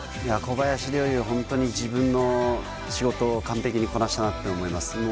小林陵侑は本当に自分の仕事を完璧にこなしたなと思います。